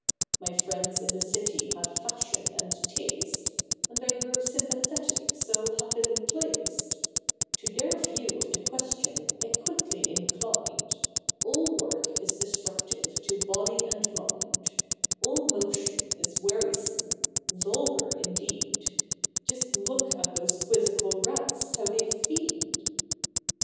My friends in the city had fashion and taste, And I grew sympathetic, so happily placed; To their view of the question I quickly inclined ; All work is destructive to body and mind ; All motion is wearisome, — vulgar, indeed, (Just look at those quizzical rats how they feed